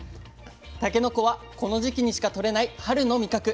たけのこはこの時期にしかとれない春の味覚。